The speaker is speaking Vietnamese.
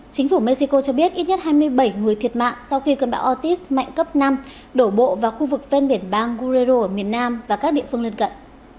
chính phủ mexico cho biết ít nhất hai mươi bảy người thiệt mạng sau khi cơn bão ortis mạnh cấp năm đổ bộ vào khu vực ven biển bang guerrero ở miền nam và các địa phương lân cận